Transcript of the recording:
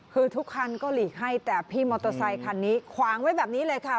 คือทุกคันก็หลีกให้แต่พี่มอเตอร์ไซคันนี้ขวางไว้แบบนี้เลยค่ะ